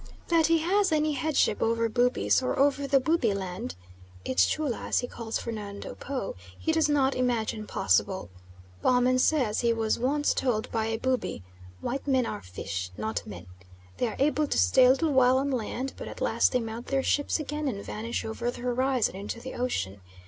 That he has any headship over Bubis or over the Bubi land Itschulla as he calls Fernando Po he does not imagine possible. Baumann says he was once told by a Bubi: "White men are fish, not men. They are able to stay a little while on land, but at last they mount their ships again and vanish over the horizon into the ocean.